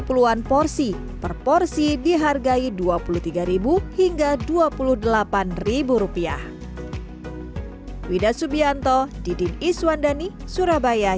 puluhan porsi per porsi dihargai dua puluh tiga hingga dua puluh delapan rupiah wida subianto didin iswandani surabaya